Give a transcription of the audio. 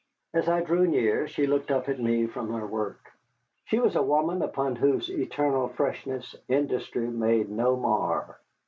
As I drew near, she looked up at me from her work. She was a woman upon whose eternal freshness industry made no mar.